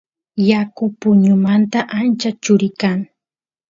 yaku puñumanta ancha churi kan